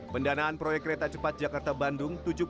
pendanaan proyek kereta cepat jakarta bandung